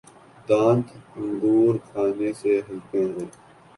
دانت انگور کھانے سے ہلتے تھے